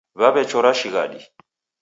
Waw'echora shighadi